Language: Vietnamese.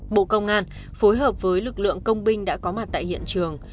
bộ công an phối hợp với lực lượng công binh đã có mặt tại hiện trường